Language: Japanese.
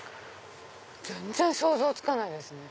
全然想像つかないですね。